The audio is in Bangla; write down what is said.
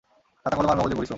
খাতা-কলম আর মগজের পরিশ্রম।